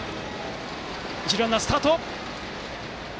一塁ランナー、スタート！